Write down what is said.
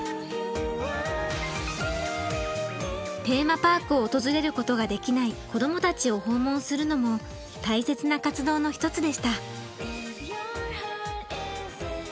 テーマパークを訪れることができない子どもたちを訪問するのも大切な活動の一つでした。